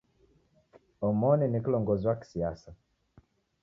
Omoni ni kilongozi wa kisiasa.